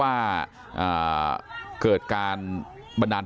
ท่านดูเหตุการณ์ก่อนนะครับ